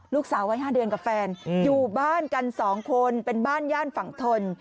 ลูกสาววัย๕เดือนกับแฟนอยู่บ้านกัน๒คนเป็นบ้านย่านฝั่งทน